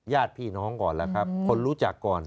ญาติพี่น้องก่อนล่ะครับคนรู้จักก่อน